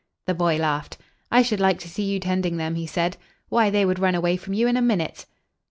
The boy laughed. "I should like to see you tending them!" he said. "Why, they would run away from you in a minute."